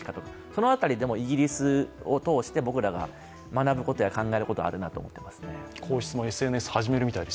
その辺りでも、イギリスを通して僕らが学ぶことや考えることはあるなと思っています。